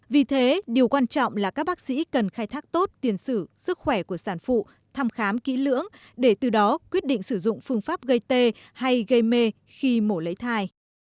vì thế điều quan trọng là các bác sĩ cần khai thác tốt tiền sử sức khỏe của sản phụ thăm khám kỹ lưỡng để từ đó quyết định sử dụng phương pháp gây tê hay gây mê khi mổ lấy thai